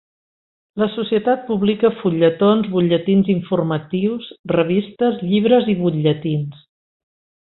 La Societat publica fulletons, butlletins informatius, revistes, llibres i butlletins.